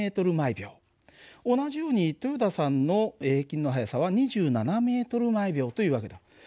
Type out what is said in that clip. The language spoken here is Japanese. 同じように豊田さんの平均の速さは２７ｍ／ｓという訳だ。